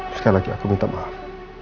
sekali lagi aku minta maaf